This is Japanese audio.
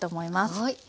はい。